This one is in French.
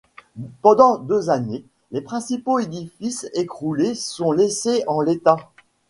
Pendant deux années, les principaux édifices écroulés sont laissés en l'état.